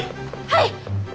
はい！